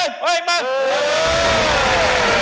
พร้อมไปกันต่อขอเสียงให้หนึ่งที